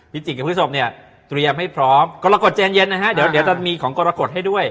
จิกกับผู้ชมเนี่ยเตรียมให้พร้อมกรกฎเจนเย็นนะฮะเดี๋ยวเดี๋ยวจะมีของกรกฎให้ด้วย